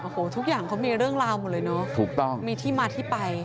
โอ้โหทุกอย่างเขามีเรื่องราวหมดเลยเนอะถูกต้องมีที่มาที่ไป